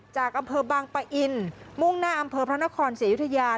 จากอำเภอบางปะอินมุ่งหน้าอำเภอพระนครศรีอยุธยา